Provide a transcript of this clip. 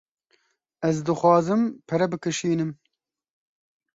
Ez dixwazim pere bikişînim.